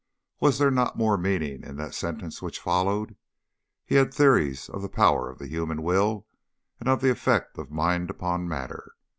Was there not more meaning in that sentence which followed "He had theories of the power of the human will and of the effect of mind upon matter"?